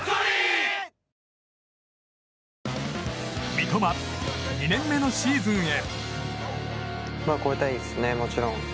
三笘、２年目のシーズンへ。